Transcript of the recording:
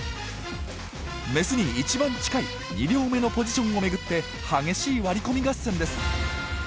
メスに一番近い２両目のポジションを巡って激しい割り込み合戦です。